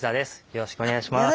よろしくお願いします。